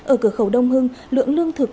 ở cửa khẩu đông hưng lượng lương thực